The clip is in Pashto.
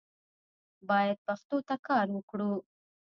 باید پښتو ته کار وکړو